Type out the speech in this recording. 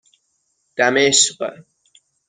دمشق